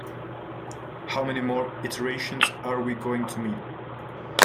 How many more iterations are we going to need?